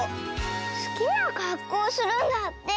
すきなかっこうするんだって。